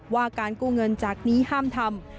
ว่าการกู้เงินจากนี้ห้ามทำ